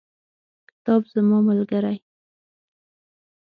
کتاب زما ملګری.